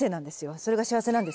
それが幸せなんです。